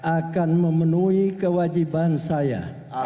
akan memenuhi kewajiban saya